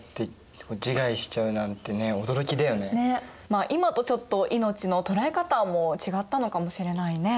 まあ今とちょっと命の捉え方も違ったのかもしれないね。